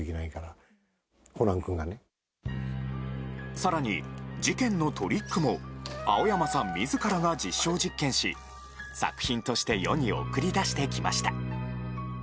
更に、事件のトリックも青山さん自らが実証実験し作品として世に送り出してきました。